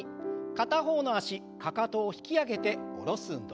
片方の脚かかとを引き上げて下ろす運動。